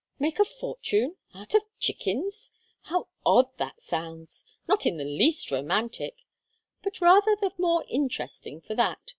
"Make a fortune out of chickens! How odd that sounds! Not in the least romantic, but rather the more interesting for that.